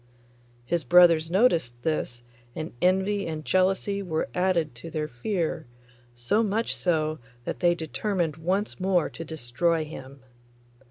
His brothers noticed this, and envy and jealousy were added to their fear, so much so that they determined once more to destroy him.